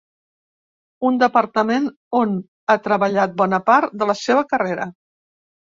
Un departament on ha treballat bona part de la seva carrera.